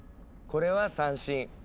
これは三線。